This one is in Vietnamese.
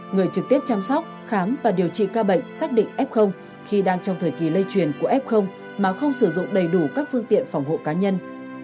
người trực tiếp chăm sóc khám và điều trị ca bệnh xác định f khi đang trong thời kỳ lây truyền của f mà không sử dụng đầy đủ các phương tiện phòng hộ cá nhân